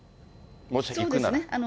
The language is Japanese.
もし行くなら。